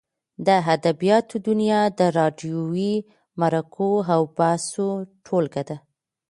د ادبیاتو دونیا د راډیووي مرکو او بحثو ټولګه ده.